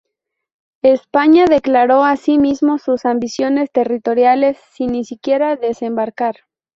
España declaró asimismo sus ambiciones territoriales, sin ni siquiera desembarcar.